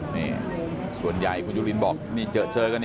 นี่ส่วนใหญ่คุณจุลินบอกนี่เจอกันนี่